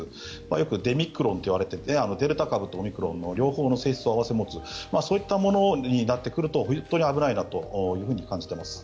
よくデミクロンといわれていてデルタ株とオミクロンの両方の性質を併せ持つものになってくると本当に危ないなと思います。